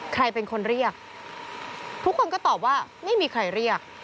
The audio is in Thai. ใครเป็นคนเรียกทุกคนก็ตอบว่าไม่มีใครเรียก